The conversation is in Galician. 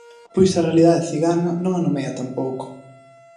Pois a realidade cigana non a nomea tampouco.